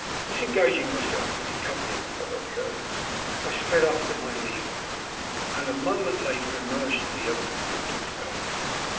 Disengaging myself, to the accompaniment of her curses, I sped after my leader, and a moment later emerged into the open court itself.